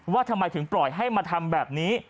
ว่าทำไมถึงปล่อยให้มาทำแบบนี้